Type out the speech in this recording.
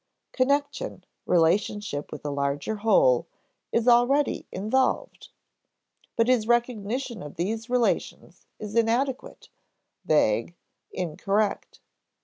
Connection, relationship with a larger whole, is already involved. But his recognition of these relations is inadequate, vague, incorrect.